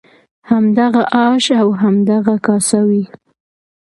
همدغه آش او همدغه کاسه وي.